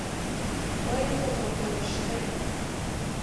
— Мыйын уло, — пелештем.